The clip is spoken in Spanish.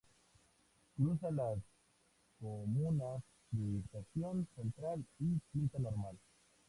Cruza las comunas de Estación Central y Quinta Normal.